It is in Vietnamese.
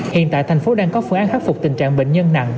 hiện tại thành phố đang có phương án khắc phục tình trạng bệnh nhân nặng